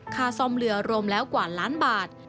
ค่าซ่อมเรือรวมแล้วกว่าล้านบาท